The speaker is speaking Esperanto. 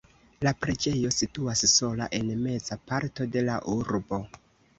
La preĝejo situas sola en meza parto de la urbo.